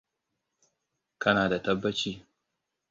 Kana da tabbaci?